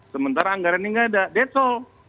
sementara anggaran ini tidak ada itu saja